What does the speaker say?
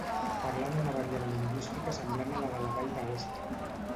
Parlen una variant lingüística semblant a la de la Vall d'Aosta.